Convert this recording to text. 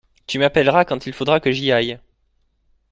Tu m’appelleras quand il faudra que j’y aille.